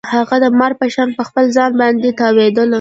هغه د مار په شان په خپل ځان باندې تاوېدله.